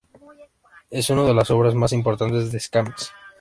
Es una de las obras más importantes de Escámez.